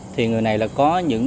thì người này là có những